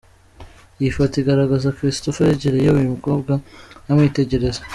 Iyi foto igaragaza Christopher yegereye uyu mukobwa amwitegereza.